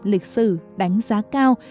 lịch sử đánh giá cao